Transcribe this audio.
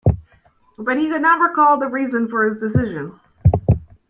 But he could not recall the reason for his decision.